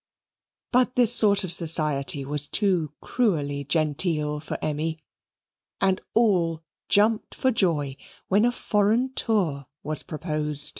But this sort of society was too cruelly genteel for Emmy, and all jumped for joy when a foreign tour was proposed.